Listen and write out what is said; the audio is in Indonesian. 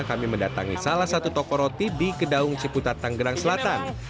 kami mendatangi salah satu toko roti di kedaung ciputat tanggerang selatan